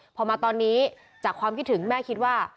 พอมาตอนนี้จากความคิดถึงแม่คิดว่า